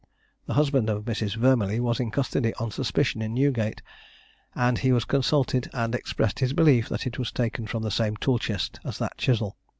The husband of Mrs. Vermillee was in custody on suspicion in Newgate, and he was consulted, and expressed his belief that it was taken from the same tool chest as that chisel.